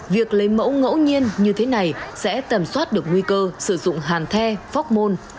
việc lấy mẫu ngẫu nhiên như thế này sẽ tầm soát được nguy cơ sử dụng hàn the phóc môn